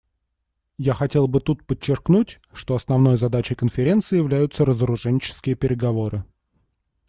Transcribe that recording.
Я хотел бы тут подчеркнуть, что основной задачей Конференции являются разоруженческие переговоры.